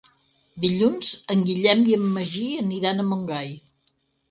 Dilluns en Guillem i en Magí aniran a Montgai.